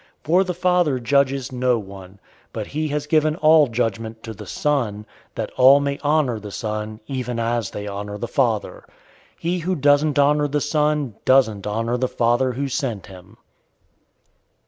005:022 For the Father judges no one, but he has given all judgment to the Son, 005:023 that all may honor the Son, even as they honor the Father. He who doesn't honor the Son doesn't honor the Father who sent him.